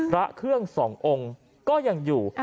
พระเครื่องสององค์ก็ยังอยู่